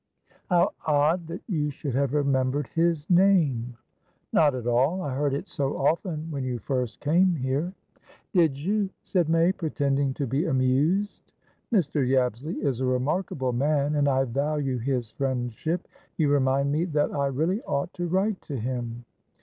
"How odd that you should have remembered his name!" "Not at all. I heard it so often when you first came here." "Did you?" said May, pretending to be amused. "Mr. Yabsley is a remarkable man, and I value his friendship. You remind me that I really ought to write to him."